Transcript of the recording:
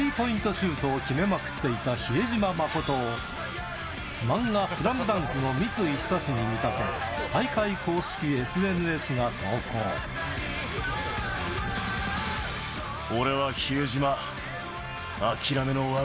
シュートを決めまくっていた比江島慎を、漫画、ＳＬＡＭＤＵＮＫの三井寿に見立て、俺は比江島。